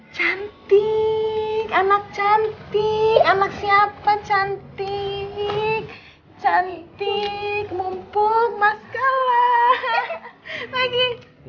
cantik anak cantik anak siapa cantik cantik mumpung makalah pagi